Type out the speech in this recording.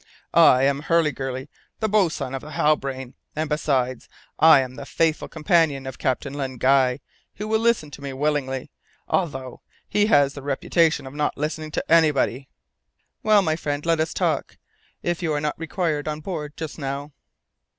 "I am Hurliguerly, the boatswain of the Halbrane, and besides, I am the faithful companion of Captain Len Guy, who will listen to me willingly, although he has the reputation of not listening to anybody." "Well, my friend, let us talk, if you are not required on board just now."